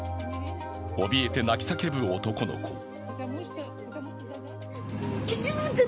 おびえて泣き叫ぶ男の子。